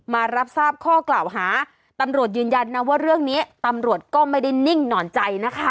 มารับทราบข้อกล่าวหาตำรวจยืนยันนะว่าเรื่องนี้ตำรวจก็ไม่ได้นิ่งนอนใจนะคะ